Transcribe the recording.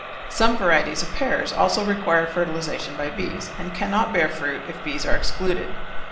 Some varieties of pears also require fertilization by the bees, and cannot bear fruit if bees are excluded.